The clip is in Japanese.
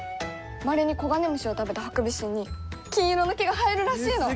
まれにコガネムシを食べたハクビシンに金色の毛が生えるらしいの！